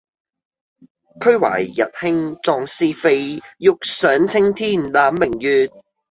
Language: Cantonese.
俱懷逸興壯思飛，欲上青天攬明月